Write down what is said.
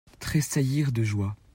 Trésaillir de joie.